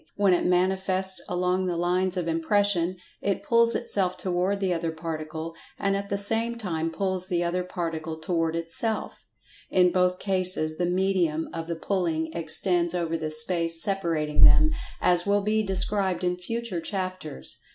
When it manifests along the lines of Impression, it pulls itself toward the other Particle, and at the same time pulls the other Particle toward itself. In both cases the "medium" of the pulling extends over the space separating them, as will be described in future chapters.